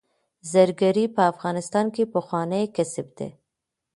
زرګري په افغانستان کې پخوانی کسب دی